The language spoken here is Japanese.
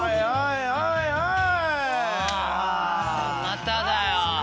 まただよ。